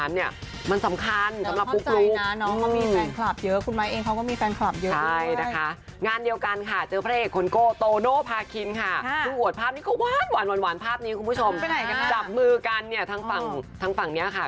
หวานภาพนี้คุณผู้ชมจับมือกันทั้งฝั่งนี้ค่ะ